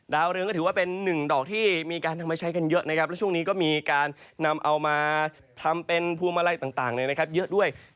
เรืองก็ถือว่าเป็นหนึ่งดอกที่มีการนำมาใช้กันเยอะนะครับแล้วช่วงนี้ก็มีการนำเอามาทำเป็นพวงมาลัยต่างเยอะด้วย